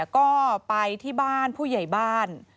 ก็ไปที่บ้านผู้ใหญ่บ้าน